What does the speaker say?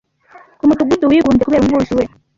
Umudugudu wigunze kubera umwuzure.